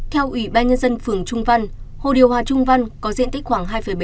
theo ủy ban nhân dân phường trung văn hồ điều hòa trung văn có diện tích khoảng hai bảy